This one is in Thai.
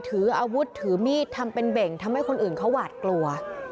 ถืออาวุธถือมีดทำเป็นเบ่งทำให้คนอื่นเขาหวาดกลัว